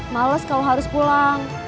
males kalau harus pulang